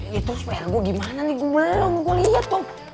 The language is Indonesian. ya terus pr gue gimana nih gue belum gue liat dong